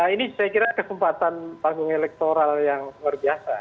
ini saya kira kesempatan panggung elektoral yang luar biasa